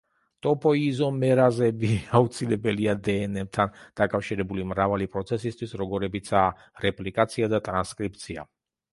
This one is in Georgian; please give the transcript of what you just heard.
ტოპოიზომერაზები აუცილებელია დნმ-თან დაკავშირებული მრავალი პროცესისთვის, როგორებიცაა რეპლიკაცია და ტრანსკრიფცია.